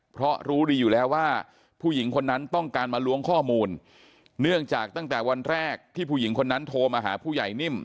เพราะรู้ดีอยู่แล้วว่าผู้หญิงคนนั้นต้องการมาล้วงข้อมูลเนื่องจากตั้งแต่วันแรกที่ผู้หญิงคนนั้นโทรมาหาผู้ใหญ่นิ่ม